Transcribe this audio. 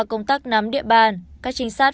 công tác nắm địa bàn các trinh sát